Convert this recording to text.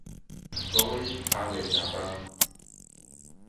所以還沒吃飯